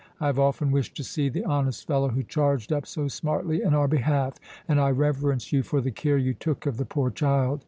I have often wished to see the honest fellow who charged up so smartly in our behalf, and I reverence you for the care you took of the poor child.